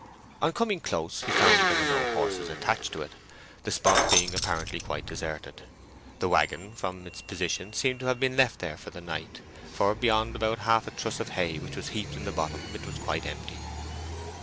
On coming close, he found there were no horses attached to it, the spot being apparently quite deserted. The waggon, from its position, seemed to have been left there for the night, for beyond about half a truss of hay which was heaped in the bottom, it was quite empty.